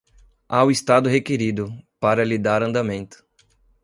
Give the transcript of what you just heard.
ao Estado requerido para lhe dar andamento.